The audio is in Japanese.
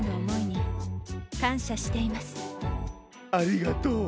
ありがとう。